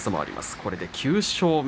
これで９勝目。